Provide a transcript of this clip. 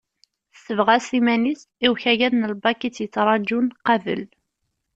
Tessebɣas iman-is i ukayad n lbak i tt-yettraǧun qabel.